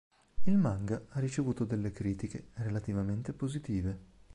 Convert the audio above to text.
Il manga ha ricevuto delle critiche relativamente positive.